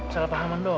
salah pahaman doang